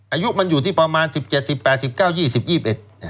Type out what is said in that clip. อายุมันอยู่ที่ประมาณ๑๗๑๘๑๙๒๐๒๑อยู่แถวนี้